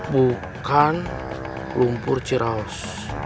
bukan lumpur ciraos